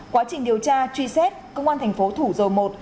quá trình điều tra truy xét công an thành phố thủ dầu một